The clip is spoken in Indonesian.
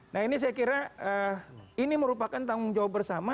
nah ini saya kira ini merupakan tanggung jawab bersama